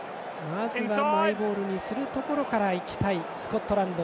まずはマイボールにするところからいきたいスコットランド。